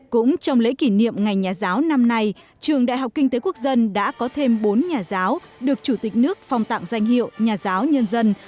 cũng trong lễ kỷ niệm ngày nhà giáo năm nay trường đại học kinh tế quốc dân đã có thêm bốn nhà giáo được chủ tịch nước phong tặng danh hiệu nhà giáo nhân dân